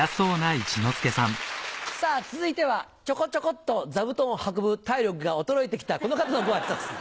さぁ続いてはチョコチョコっと座布団を運ぶ体力が衰えてきたこの方のご挨拶。